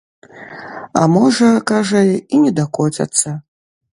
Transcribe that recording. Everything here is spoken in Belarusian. А можа, кажа, і не дакоцяцца.